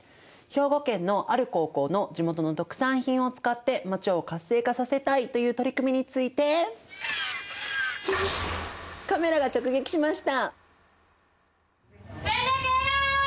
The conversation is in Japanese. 兵庫県のある高校の地元の特産品を使ってまちを活性化させたいという取り組みについてカメラが直撃しました！